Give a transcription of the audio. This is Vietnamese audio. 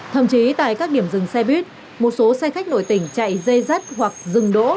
thậm chí tại các điểm dừng xe buýt một số xe khách nội tỉnh chạy dây rắt hoặc dừng đỗ